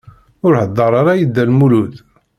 Ur heddeṛ ara i Dda Lmulud.